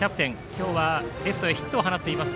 今日はレフトへヒットを放っています